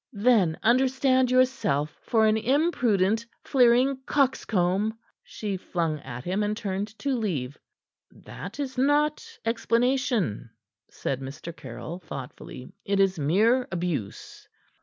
"Then understand yourself for an impudent, fleering coxcomb," she flung at him, and turned to leave him. "That is not explanation," said Mr. Caryll thoughtfully. "It is mere abuse."